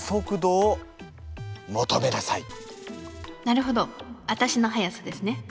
なるほどアタシの速さですね。